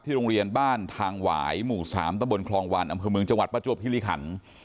โรงเรียนบ้านทางหวายหมู่๓ตะบนคลองวานอำเภอเมืองจังหวัดประจวบคิริขัน